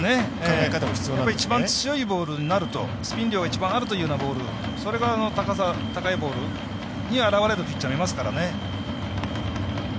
一番強いボールになるとスピン量が一番あるボールそれが高いボールに表れるピッチャーいますからね。